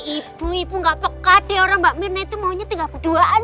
ibu ibu gak pekat deh orang mbak mirna itu maunya tinggal keduaan